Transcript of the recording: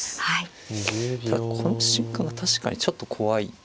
ただこの瞬間が確かにちょっと怖い。